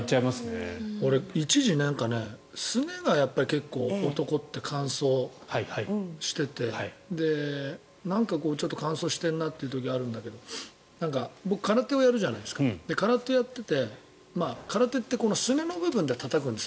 俺、一時、すねが結構、男って乾燥しててちょっと乾燥しているなっていう時があるんだけど空手をやるじゃないですか空手をやっていてたたくんですよ